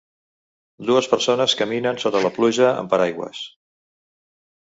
Dues persones caminen sota la pluja amb paraigües.